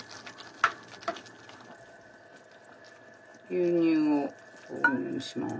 牛乳を投入します。